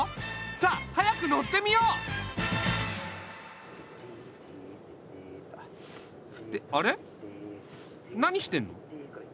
さあ早く乗ってみよう！ってあれ何してんの？